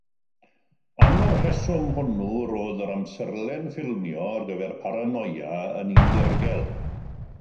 Am y rheswm hwnnw, roedd yr amserlen ffilmio ar gyfer “Paranoia” yn un ddirgel.